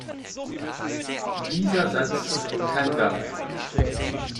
Dieser Satz kein Verb.